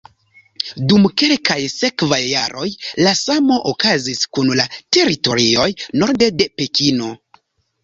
Dum kelkaj sekvaj jaroj la samo okazis kun la teritorioj norde de Pekino.